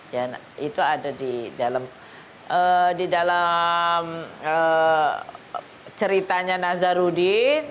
ya itu ada di dalam ceritanya nazarudin